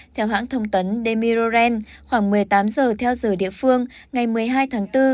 theo hãng thông tấn demiroren khoảng một mươi tám giờ theo giờ địa phương ngày một mươi hai tháng bốn